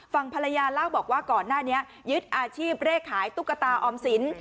ฝั่งภรรยาเล่าบอกว่าก่อนหน้านี้ยึดอาชีพเลขขายตุ๊กตาออมสิน